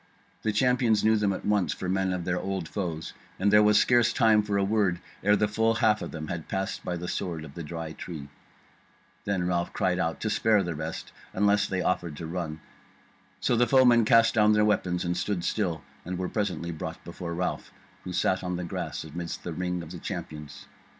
The Champions knew them at once for men of their old foes, and there was scarce time for a word ere the full half of them had passed by the sword of the Dry Tree; then Ralph cried out to spare the rest, unless they offered to run; so the foemen cast down their weapons and stood still, and were presently brought before Ralph, who sat on the grass amidst of the ring of the Champions.